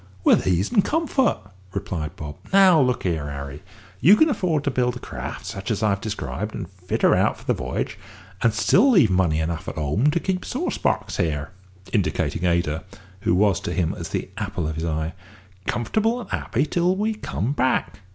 "With ease and comfort," replied Bob. "Now look here, Harry. You can afford to build a craft such as I have described, and fit her out for the v'y'ge, and still leave money enough at home to keep sauce box here," (indicating Ada, who was to him as the apple of his eye) "comfortable and happy like till we come back.